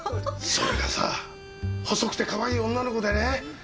それがさぁ細くてかわいい女の子でね